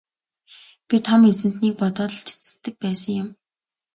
Би Том эзэнтнийг бодоод л тэсдэг байсан юм.